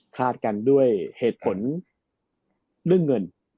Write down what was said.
กันด้วยเหตุผลเรื่องเงิน